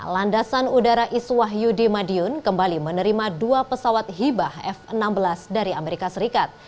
landasan udara iswah yudi madiun kembali menerima dua pesawat hibah f enam belas dari amerika serikat